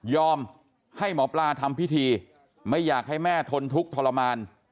ให้หมอปลาทำพิธีไม่อยากให้แม่ทนทุกข์ทรมาน